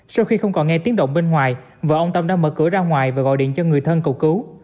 sau khi không còn nghe tiếng động bên ngoài vợ ông tâm đã mở cửa ra ngoài và gọi điện cho người thân cầu cứu